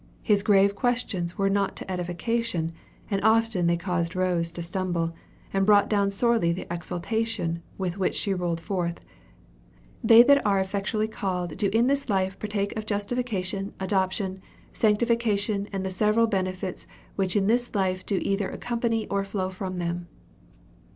His grave questions were not to edification, and often they caused Rose to stumble, and brought down sorely the exultation with which she rolled forth, "They that are effectually called do in this life partake of justification, adoption, sanctification, and the several benefits which in this life do either accompany or flow from them."